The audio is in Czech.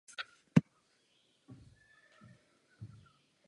Brzy poté sem dorazili také jeho spojenci.